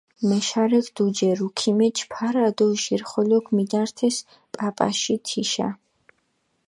მეშარექ დუჯერუ, ქიმეჩჷ ფარა დო ჟირხოლოქ მიდართეს პაპაში თიშა.